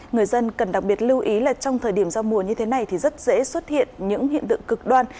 người dân cần đặc biệt lưu ý là trong thời điểm giao mùa như thế này thì rất dễ xuất hiện những hiện tượng cực đoan